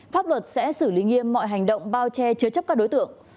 pháp luật sẽ xử lý nghiêm mọi hành động bao che chứa chấp các đối tượng